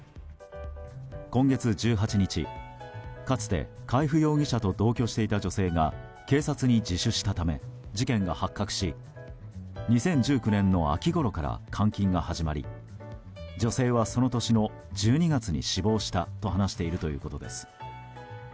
今月１８日、かつて海部容疑者と同居していた女性が警察に自首したため事件が発覚し２０１９年の秋ごろから監禁が始まり女性はその年の１２月に死亡したと話しているということです。